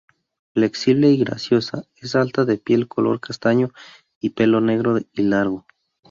Flexible y graciosa, es alta, de piel color castaño y pelo negro y largo.